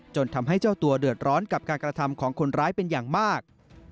จนทำให้เจ้าตัวเดือดร้อนกับการกระทำของคนร้ายเป็นอย่างมาก